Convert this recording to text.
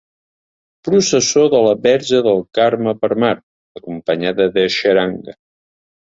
Processó de la Verge del Carme per mar, acompanyada de xaranga.